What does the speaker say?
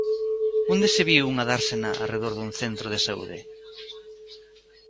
¿Onde se viu unha dársena arredor dun centro de saúde?